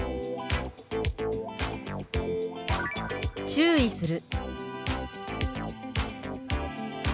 「注意する」。